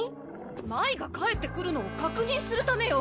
麻衣が帰ってくるのを確認するためよ。